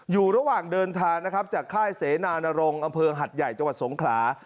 อยู่ระหว่างเดินทางนะครับจากค่ายเสนานรงค์อำเภอหัดใหญ่จังหวัดสงขลา